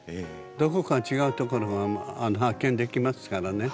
どこか違うところが発見できますからね。